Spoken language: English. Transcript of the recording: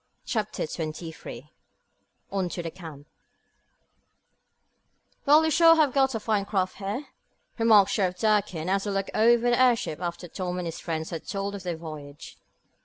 Chapter 23 On To The Camp "Well, you sure have got a fine craft here," remarked Sheriff Durkin, as he looked over the airship after Tom and his friends had told of their voyage.